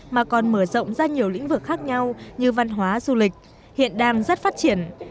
mà còn mở rộng ra nhiều lĩnh vực khác nhau như văn hóa du lịch hiện đang rất phát triển